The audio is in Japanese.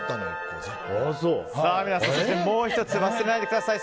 皆さんもう１つ忘れないでください。